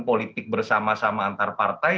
politik bersama sama antar partai